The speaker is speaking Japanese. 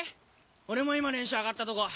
俺も今練習上がったとこ。